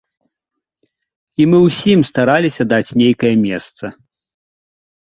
І мы ўсім стараліся даць нейкае месца.